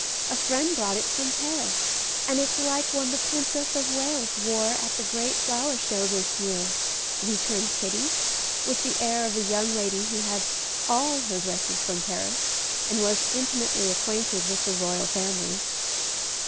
A friend brought it from Paris, and it's like one the Princess of Wales wore at the great flower show this year," returned Kitty, with the air of a young lady who had all her dresses from Paris, and was intimately acquainted with the royal family.